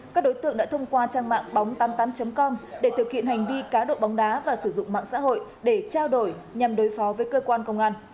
các đối tượng đã thông qua trang mạng bóng tám mươi tám com để thực hiện hành vi cá độ bóng đá và sử dụng mạng xã hội để trao đổi nhằm đối phó với cơ quan công an